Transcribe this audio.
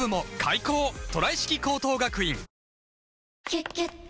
「キュキュット」